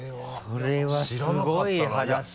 それはすごい話だな。